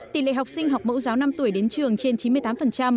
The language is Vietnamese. tỷ lệ học sinh học mẫu giáo năm tuổi đến trường trên chín mươi tám